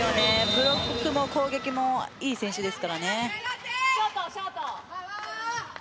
ブロックも攻撃もいい選手です。